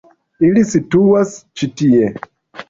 Ili situas ĉi tie.